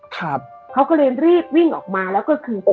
ครับเขาก็เลยรีบวิ่งออกมาแล้วก็คือ